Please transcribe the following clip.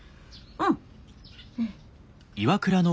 うん。